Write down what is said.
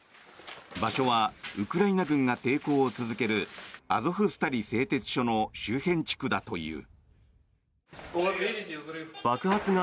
場所はウクライナ軍が抵抗を続けるアゾフスタリ製鉄所の周辺地区だという。